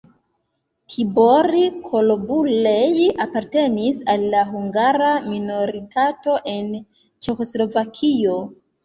Tibor Kobulej apartenis al la hungara minoritato en Ĉeĥoslovakio.